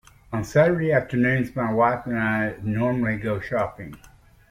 On Saturday afternoons my wife and I normally go shopping